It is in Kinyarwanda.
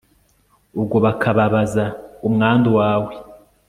ubwo bakababaza umwandu wawe